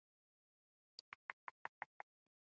یوه ورځ یې وو مېړه ستړی راغلی